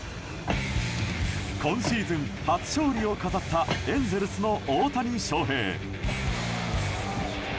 今シーズン初勝利を飾ったエンゼルスの大谷翔平。